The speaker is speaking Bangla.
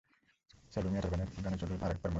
স্যালোমি অট্যারবোর্নের গানে চলুন আরেকবার মজি!